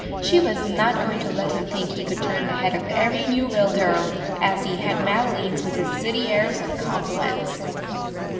She was not going to let him think he could turn the head of every Newville girl as he had Madeline's with his city airs and compliments.